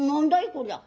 こりゃ。